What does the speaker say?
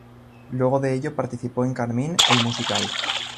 Luego de ello participó en "Carmín, el musical".